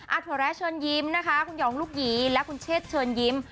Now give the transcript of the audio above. ถั่วแร้เชิญยิ้มนะคะคุณหองลูกหยีและคุณเชษเชิญยิ้ม